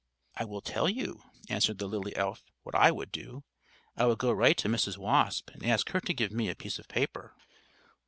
"I will tell you," answered the lily elf, "what I would do. I would go right to Mrs. Wasp, and ask her to give me a piece of paper."